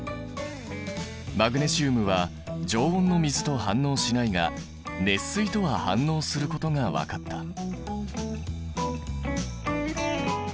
マグネシウムは常温の水と反応しないが熱水とは反応することが分かった。